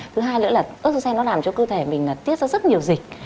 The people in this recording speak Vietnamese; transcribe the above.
thứ hai nữa là usse nó làm cho cơ thể mình tiết ra rất nhiều dịch